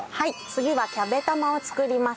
次はキャベ玉を作ります。